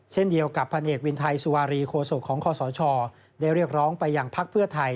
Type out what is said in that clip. พันธุ์เอกวินไทยสุวารีโคศกของคศได้เรียกร้องไปอย่างพักเพื่อไทย